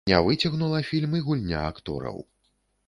Не выцягнула фільм і гульня актораў.